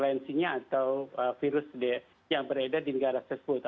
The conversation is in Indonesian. viruensinya atau virus yang beredar di negara sesuatu